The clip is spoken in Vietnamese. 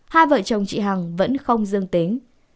hai vợ chồng chị hằng vẫn không dương tính